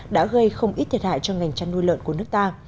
đã gây không ít thiệt hại cho ngành chăn nuôi lợn của nước ta